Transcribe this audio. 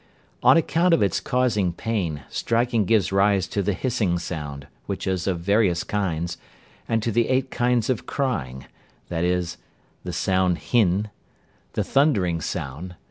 On account of its causing pain, striking gives rise to the hissing sound, which is of various kinds, and to the eight kinds of crying, viz.: The sound Hin. The thundering sound.